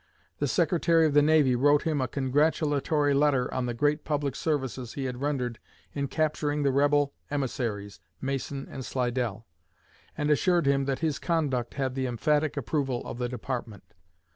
The Secretary of the Navy wrote him a congratulatory letter on the 'great public services' he had rendered in 'capturing the rebel emissaries, Mason and Slidell,' and assured him that his conduct had 'the emphatic approval of the department.'